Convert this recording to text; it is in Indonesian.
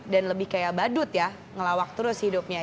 dan lebih kayak badut ya ngelawak terus hidupnya